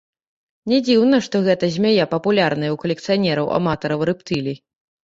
Не дзіўна, што гэтая змяя папулярная ў калекцыянераў-аматараў рэптылій.